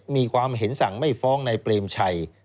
มีความเห็นสั่งไม่ฟ้องในเปรมชัย